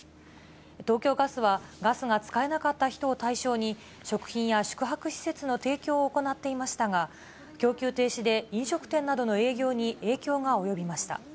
東京ガスは、ガスが使えなかった人を対象に、食品や宿泊施設の提供を行っていましたが、供給停止で飲食店などの営業に影響が及びました。